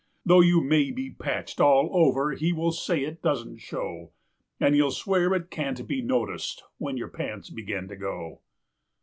Though you may be patched all over he will say it doesn't show, And he'll swear it can't be noticed when your pants begin to go.